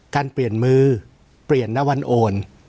การเปลี่ยนมือเปลี่ยนณวันโอน